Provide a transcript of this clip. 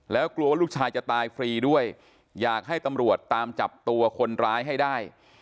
แล้วกลัวว่าลูกชายจะตายฟรีด้วยอยากให้ตำรวจตามจับตัวคนร้ายให้ได้